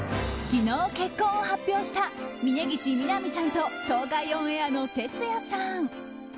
昨日、結婚を発表した峯岸みなみさんと東海オンエアのてつやさん。